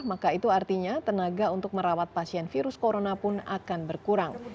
maka itu artinya tenaga untuk merawat pasien virus corona pun akan berkurang